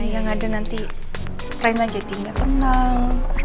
yang ada nanti reina jadinya tenang